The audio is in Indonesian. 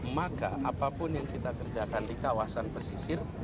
maka apapun yang kita kerjakan di kawasan pesisir